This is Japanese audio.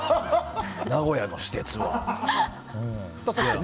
名古屋の私鉄って。